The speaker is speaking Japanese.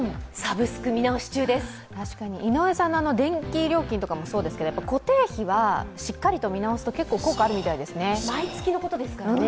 井上さんの電気料金とかもそうですけれども、固定費はしっかりと見直すと結構効果があるみたいですね。